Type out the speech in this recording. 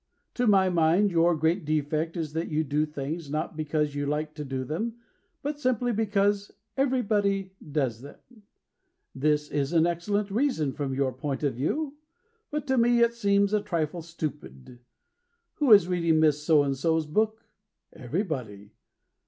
To my mind, your great defect is that you do things Not because you like to do them, But simply because Everybody does them. This is an excellent reason From your point of view; But to me it seems a trifle stupid. Who is reading Miss So and So's book? Everybody.